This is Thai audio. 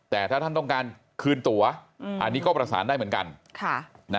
แต่ถ้าท่านต้องการคืนตัวอันนี้ก็ประสานได้เหมือนกัน